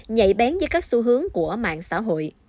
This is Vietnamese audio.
nhạy bén với các xu hướng của mạng xã hội